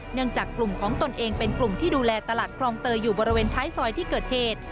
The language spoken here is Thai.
จากกลุ่มของตนเองเป็นกลุ่มที่ดูแลตลาดคลองเตยอยู่บริเวณท้ายซอยที่เกิดเหตุ